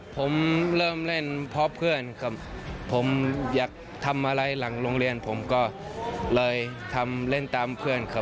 ผมเริ่มเล่นเพราะเพื่อนครับผมอยากทำอะไรหลังโรงเรียนผมก็เลยทำเล่นตามเพื่อนครับ